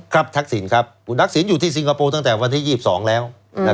ครับทักษินครับเขาอยู่ที่สิงคโปร์ตั้งแต่วันที่๒๒แล้ว